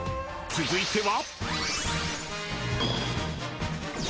［続いては］